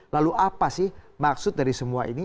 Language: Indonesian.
lalu apa sih maksud dari semua ini